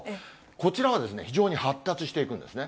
こちらは非常に発達していくんですね。